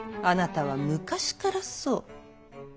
あなたは昔からそう。